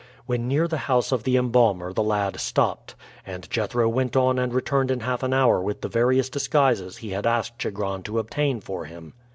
When near the house of the embalmer the lad stopped, and Jethro went on and returned in half an hour with the various disguises he had asked Chigron to obtain for him.